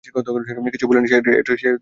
কিছুই বলেনি, সে এটা নিয়ে কথা বলবে না।